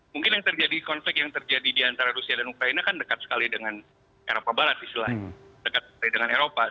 mungkin konflik yang terjadi di antara rusia dan ukraina kan dekat sekali dengan eropa barat